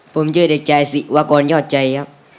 ผมชื่อเด็กชายศิวากรยอดใจครับ